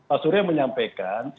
pak surya menyampaikan